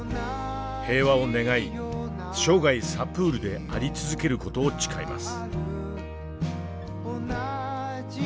平和を願い生涯サプールであり続ける事を誓います。